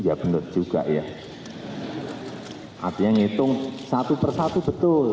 ya benar juga ya artinya hitung satu per satu betul